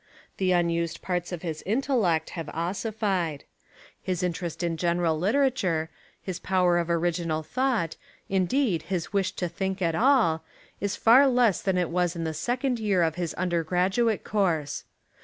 The unused parts of his intellect have ossified. His interest in general literature, his power of original thought, indeed his wish to think at all, is far less than it was in the second year of his under graduate course.